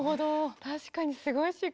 確かにすごいしっくり。